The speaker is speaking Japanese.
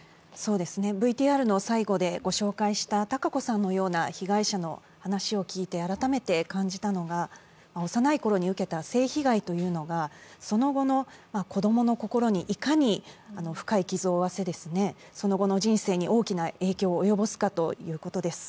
ＶＴＲの最後でご紹介したたかこさんのような被害者の話を聞いて改めて感じたのが、幼い頃に受けた性被害というのがその後の子供の心にいかに深い傷を負わせその後の人生に大きな影響を及ぼすかということです。